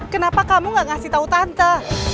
kenapa kamu gak ngasih tau tante